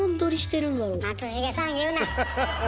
松重さん言うな！